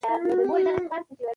تشې سپينې مرمرينې لېچې